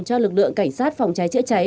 cho lực lượng cảnh sát phòng cháy chữa cháy